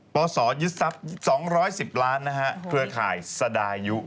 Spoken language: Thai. ปสยศัพท์๒๑๐ล้านนะฮะเผื่อข่ายสดายุ